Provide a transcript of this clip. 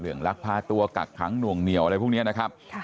ลักพาตัวกักขังหน่วงเหนียวอะไรพวกนี้นะครับ